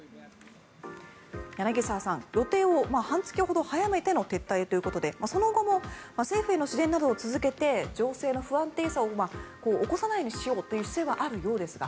柳澤さん、予定を半月ほど早めての撤退ということでその後も政府への支援などを続けて情勢の不安定さを起こさないようにしようという姿勢はあるようですが。